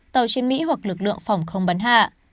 tàu chiến mỹ hoặc lực lượng phòng không bắn hạ